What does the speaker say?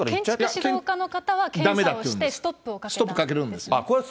建築指導課の方は検査をしてストップをかけたんです。